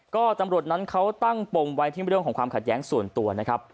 ก็ตำรวจนั้นเขาตั้งปมไว้ที่เรื่องของความขัดแย้งส่วนตัวนะครับ